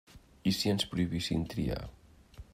I si ens prohibissin triar?